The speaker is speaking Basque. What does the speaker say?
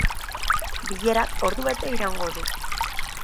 Bilerak ordu bete iraungo du.